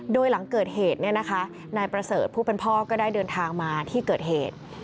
โดยหลังเกิดเหตุนายประเสริฐผู้เป็นพ่อก็ได้เดินทางมาที่เกิดเหตุ